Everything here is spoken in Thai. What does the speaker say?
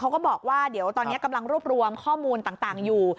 ก็บอกว่าเดี๋ยวตอนนี้กำลังรวบรวมข้อมูลต่างอยู่